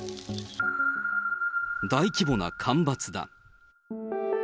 大規模な干ばつだ。